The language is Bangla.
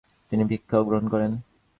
তিনি ভিক্ষাও গ্রহণ করেন।